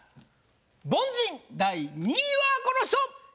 凡人第２位はこの人！